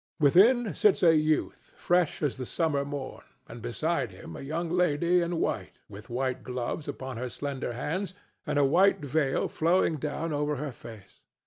Within sits a youth fresh as the summer morn, and beside him a young lady in white with white gloves upon her slender hands and a white veil flowing down over her face.